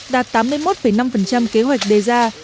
đạt tám mươi một năm kế hoạch đề ra